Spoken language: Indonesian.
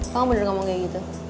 kamu bener ngomong kayak gitu